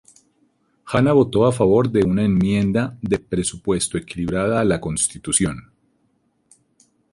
Hanna votó a favor de una Enmienda de Presupuesto Equilibrada a la Constitución.